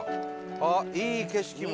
あっいい景色も。